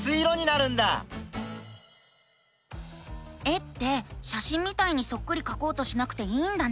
絵ってしゃしんみたいにそっくりかこうとしなくていいんだね。